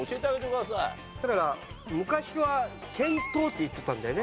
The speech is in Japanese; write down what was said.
だから昔はけんとうって言ってたんだよね。